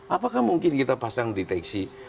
apakah mungkin kita pasang deteksi